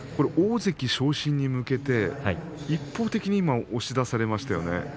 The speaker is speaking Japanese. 大関昇進に向けて一方的に押し出されましたよね。